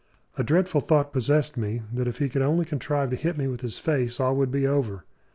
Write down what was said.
A dreadful thought possessed me that if he could only contrive to hit me with his face all would be over.